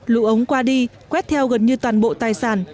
lũ ống qua đi quét theo gần như toàn bộ tài sản